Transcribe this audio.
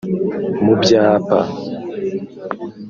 mu Byapa